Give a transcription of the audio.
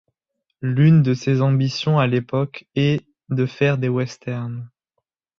L'une de ses ambitions à l'époque est de faire des Western.